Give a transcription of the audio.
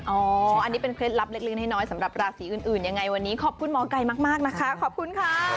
อันนี้เป็นเคล็ดลับเล็กน้อยสำหรับราศีอื่นยังไงวันนี้ขอบคุณหมอไก่มากนะคะขอบคุณค่ะ